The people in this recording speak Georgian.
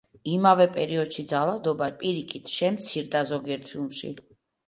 იმავე პერიოდში ძალადობა პირიქით, შემცირდა ზოგიერთ ფილმში.